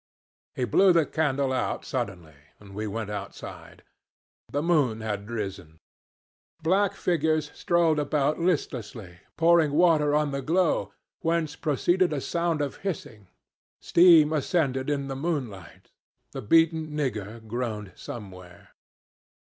"He blew the candle out suddenly, and we went outside. The moon had risen. Black figures strolled about listlessly, pouring water on the glow, whence proceeded a sound of hissing; steam ascended in the moonlight, the beaten nigger groaned somewhere.